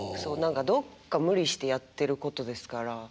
どっか無理してやってることですから。